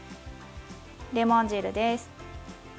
レモン汁です。